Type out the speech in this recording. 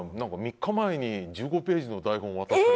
３日前に１５ページの台本を渡されて。